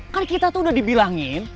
kan kita tuh udah dibilangin